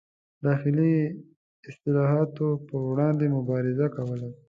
داخلي اصلاحاتو پر وړاندې مبارزه کوله.